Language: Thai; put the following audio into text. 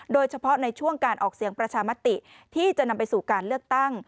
โดยเฉพาะในช่วงการออกเสียงประชามติที่จะนำไปสู่การเลือกตั้ง